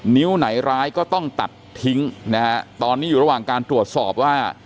นิ้วไหนร้ายก็ต้องตัดทิ้งนะฮะตอนนี้อยู่ระหว่างการตรวจสอบว่า